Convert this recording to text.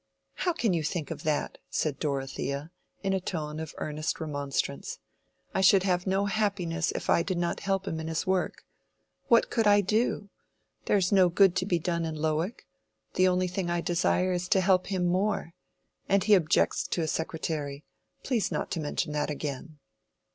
"How can you think of that?" said Dorothea, in a tone of earnest remonstrance. "I should have no happiness if I did not help him in his work. What could I do? There is no good to be done in Lowick. The only thing I desire is to help him more. And he objects to a secretary: please not to mention that again."